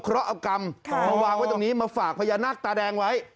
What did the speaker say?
เพราะเอากรรมมาวางไว้ตรงนี้มาฝากพญานาคตาแดงไว้